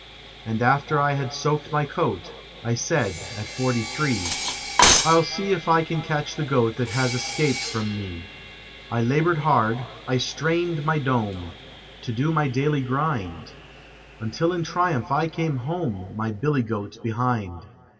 And after I had soaked my coat, I said (at forty three), "I'll see if I can catch the goat that has escaped from me." I labored hard; I strained my dome, to do my daily grind, until in triumph I came home, my billy goat behind.